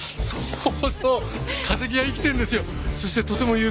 そうそう！